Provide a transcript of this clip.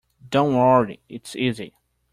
Don’t worry, it’s easy.